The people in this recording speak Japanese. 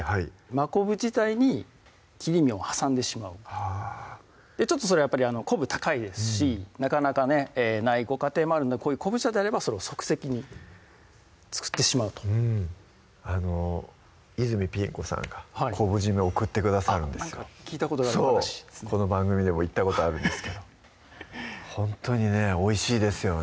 真昆布自体に切り身を挟んでしまうちょっとそれやっぱり昆布高いですしなかなかねないご家庭もあるのでこういう昆布茶であればそれを即席に作ってしまうとあの泉ピン子さんが昆布締め送ってくださるんですよなんか聞いたことが昔そうこの番組でも言ったことあるんですけどほんとにねおいしいですよね